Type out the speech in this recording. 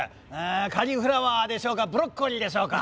「カリフラワーでしょうかブロッコリーでしょうか？」。